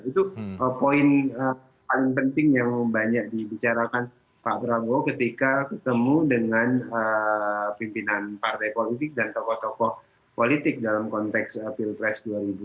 itu poin paling penting yang banyak dibicarakan pak prabowo ketika ketemu dengan pimpinan partai politik dan tokoh tokoh politik dalam konteks pilpres dua ribu dua puluh